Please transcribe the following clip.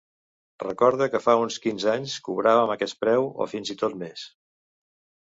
Recorde que fa uns quinze anys cobràvem aquest preu, o fins i tot més.